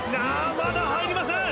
まだ入りません！